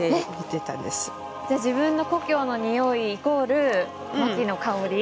じゃあ自分の故郷のにおいイコールマキの香り？